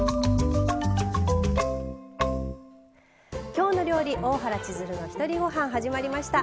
「きょうの料理大原千鶴のひとりごはん」始まりました。